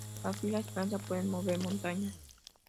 La fe y la esperanza pueden mover montañas.